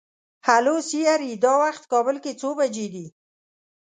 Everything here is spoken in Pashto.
هلو سیري! دا وخت کابل کې څو بجې دي؟